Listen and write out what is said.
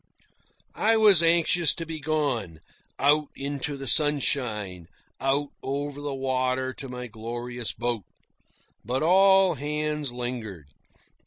I was anxious to be gone, out into the sunshine, out over the water to my glorious boat. But all hands lingered.